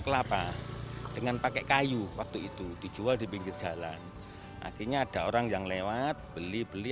kelapa dengan pakai kayu waktu itu dijual di pinggir jalan akhirnya ada orang yang lewat beli beli